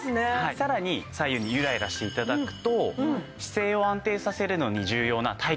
さらに左右にゆらゆらして頂くと姿勢を安定させるのに重要な体幹部の筋肉。